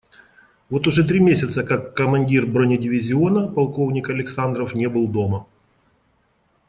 Вот уже три месяца, как командир бронедивизиона полковник Александров не был дома.